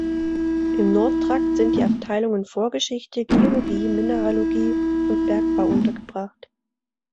Im Nordtrakt sind die Abteilungen Vorgeschichte, Geologie, Mineralogie und Bergbau untergebracht.